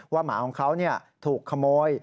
หมาของเขาถูกขโมย